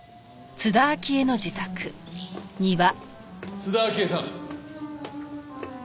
津田明江さん。